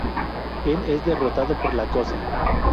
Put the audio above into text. Él es derrotado por La Cosa.